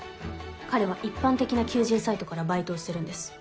彼は一般的な求人サイトからバイトをしてるんです。